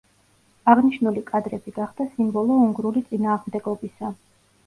აღნიშნული კადრები გახდა სიმბოლო უნგრული წინააღმდეგობისა.